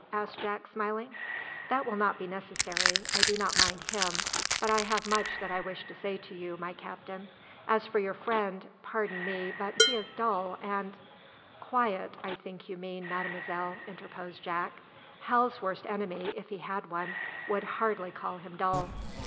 asked Jack, smiling. "That will not be necessary. I do not mind him. But I have much that I wish to say to you, my Captain. As for your friend pardon me, but he is dull, and " "Quiet, I think you mean, Mademoiselle," interposed Jack. "Hal's worst enemy, if he had one, would hardly call him dull."